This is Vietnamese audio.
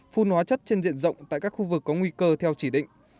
phun hóa chất trên diện rộng tại các khu vực có nguy cơ theo chỉ định